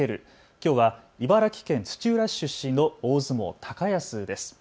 きょうは茨城県土浦市出身の大相撲、高安です。